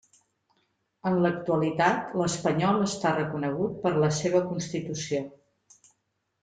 En l'actualitat l'espanyol està reconegut per la seva Constitució.